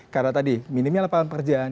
karena tadi minimnya lapangan pekerjaan